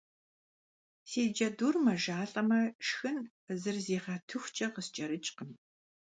Си джэдур мэжалӏэмэ шхын зыризыгъэтыхукӏэ къыскӏэрыкӏкъым.